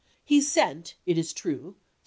He sent, it is true, through M.